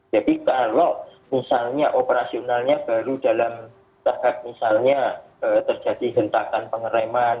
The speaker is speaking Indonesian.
jadi kalau misalnya operasionalnya baru dalam tahap misalnya terjadi hentakan pengereman